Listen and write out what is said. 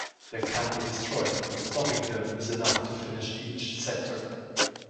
They can't be destroyed, but stopping them is enough to finish each Sector.